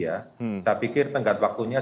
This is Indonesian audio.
saya pikir tenggat waktunya